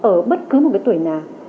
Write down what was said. ở bất cứ một tuổi nào